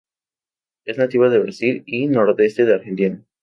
Es nativa de Brasil y nordeste de Argentina.